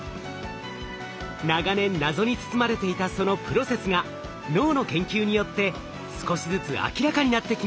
長年謎に包まれていたそのプロセスが脳の研究によって少しずつ明らかになってきました。